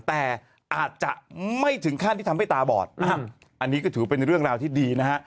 แต่อาจจะไม่ถึงขั้นที่ทำให้ตาบอดอันนี้ก็ถือเป็นเรื่องราวที่ดีนะฮะ